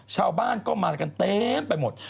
ชาวบ้านก็มากันเต็มไปหมด